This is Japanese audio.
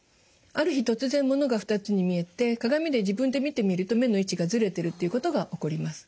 ある日突然物が２つに見えて鏡で自分で見てみると目の位置がずれてるっていうことが起こります。